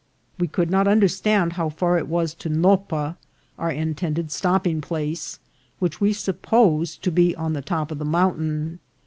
We could not understand how far it was to Nopa, our intended stopping place, which we supposed to be on the top of the mountain.